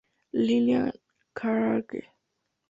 Lilian Clarke.